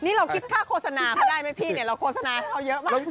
นี่เราคิดค่าโฆษณาเขาได้ไหมพี่เนี่ยเราโฆษณาเขาเยอะมาก